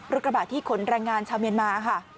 รถกระบะที่ขนรายงานชาวเมียนมาค่ะ